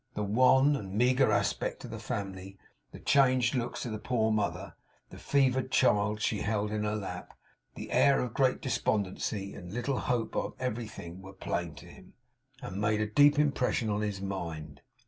The wan and meagre aspect of the family, the changed looks of the poor mother, the fevered child she held in her lap, the air of great despondency and little hope on everything, were plain to him, and made a deep impression on his mind.